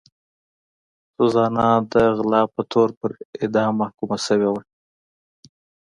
سوزانا د غلا په تور پر اعدام محکومه شوې وه.